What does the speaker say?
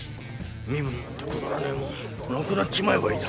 身分なんてくだらねえもんなくなっちまえばいいだ。